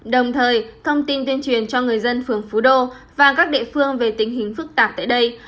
đồng thời thông tin tuyên truyền cho người dân phường phú đô và các địa phương về tình hình phức tạp tại đây